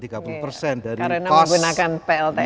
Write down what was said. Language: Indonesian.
karena menggunakan plts ini